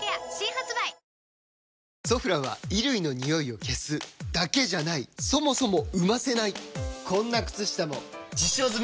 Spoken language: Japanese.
「ソフラン」は衣類のニオイを消すだけじゃないそもそも生ませないこんな靴下も実証済！